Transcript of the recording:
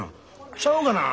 ちゃうがな。